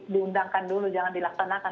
diundangkan dulu jangan dilaksanakan